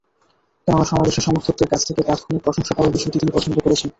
কেননা, সমাবেশে সমর্থকদের কাছ থেকে তাৎক্ষণিক প্রশংসা পাওয়ার বিষয়টি তিনি পছন্দ করেছেন।